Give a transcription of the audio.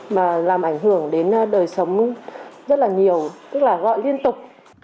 mà làm ảnh hưởng đến đời sống rất là nhiều tức là gọi liên tục